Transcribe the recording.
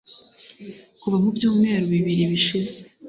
Kuva mu byumweru bibiri bishize